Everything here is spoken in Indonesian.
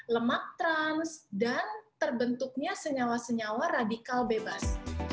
lemak trans dan terbentuknya senyawa senyawa radikal bebas